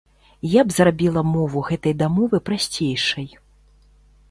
Я б зрабіла мову гэтай дамовы прасцейшай.